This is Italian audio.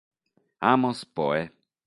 Amos Poe